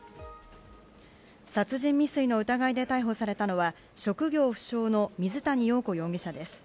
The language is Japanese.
殺人未遂の疑いで逮捕されたのは職業不詳の水谷陽子容疑者です。